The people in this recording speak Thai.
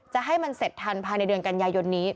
ให้มันเสร็จทันภายในเดือนกันยายนนี้